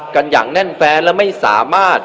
กันอย่างแน่นแฟนและไม่สามารถ